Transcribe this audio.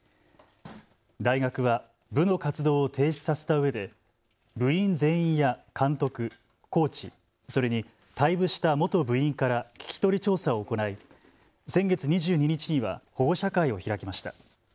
大学は部の活動を停止させたうえで部員全員や監督、コーチ、それに退部した元部員から聞き取り調査を行い先月２２日には保護者会を開きました。